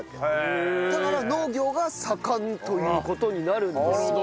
だから農業が盛んという事になるんですよ。